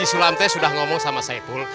si sulam teh sudah ngomong sama sepul